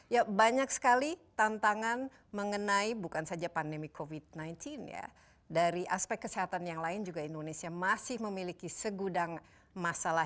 ya banyak sekali tantangan mengenai bukan saja pandemi covid sembilan belas ya dari aspek kesehatan yang lain juga indonesia masih memiliki segudang masalah